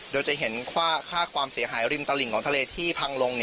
โดยจะเห็นค่าความเสียหายริมตลิ่งของทะเลที่พังลง